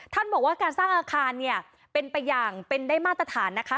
ท่านบอกว่าการสร้างอาคารเนี่ยเป็นไปอย่างเป็นได้มาตรฐานนะคะ